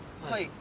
はい。